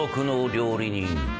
料理人